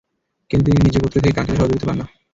কিন্তু তিনি নিজ গোত্র থেকে কাঙ্ক্ষিত সহযোগিতা পান না।